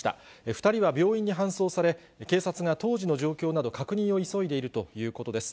２人は病院に搬送され、警察が当時の状況など、確認を急いでいるということです。